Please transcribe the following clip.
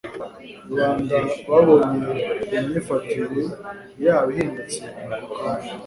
Rubanda babonye imyifatire yabo ihindutse ako kanya,